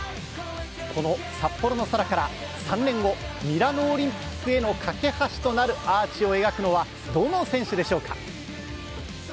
この札幌の空から、３年後、ミラノオリンピックへの架け橋となるアーチを描くのはどの選手でしょうか。